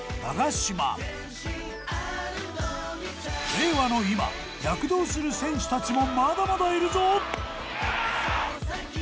令和の今躍動する選手たちもまだまだいるぞ！